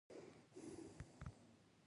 ښارونه د خلکو له اعتقاداتو سره تړاو لري.